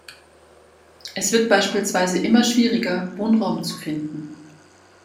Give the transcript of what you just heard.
Es wird beispielsweise immer schwieriger, Wohnraum zu finden.